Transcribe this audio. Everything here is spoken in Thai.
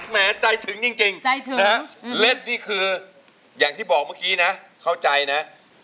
แม้ใจถึงจริงใจถึงนะฮะเล่นนี่คืออย่างที่บอกเมื่อกี้นะเข้าใจนะ